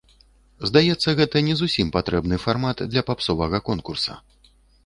Здаецца, гэта не зусім патрэбны фармат для папсовага конкурса.